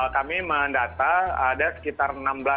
kami mendata ada sekitar